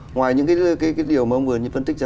ngoài những cái điều mà ông vừa như phân tích ra